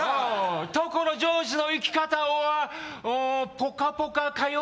所ジョージの生き方ｏｒ「ぽかぽか」